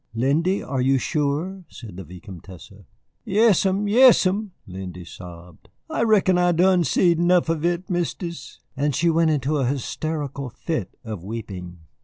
"Lindy, are you sure?" said the Vicomtesse. "Yass'm, yass'm," Lindy sobbed, "I reckon I'se done seed 'nuf of it, Mistis." And she went into a hysterical fit of weeping.